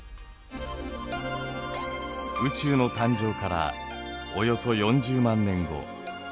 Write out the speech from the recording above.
宇宙の誕生からおよそ４０万年後。